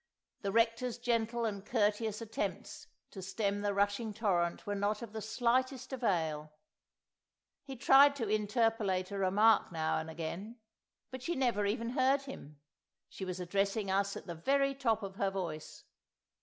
The Rector's gentle and courteous attempts to stem the rushing torrent were not of the slightest avail. He tried to interpolate a remark now and again, but she never even heard him; she was addressing us at the very top of her voice.